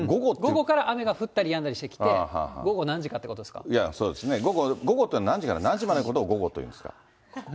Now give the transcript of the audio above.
午後から雨が降ったりやんだりしてきて、午後何時かってことそうですね、午後っていうのは何時から何時までのことを、午後ですか？